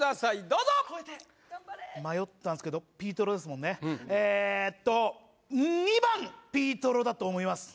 どうぞ迷ったんですけどピートロですもんねえっと２番ピートロだと思います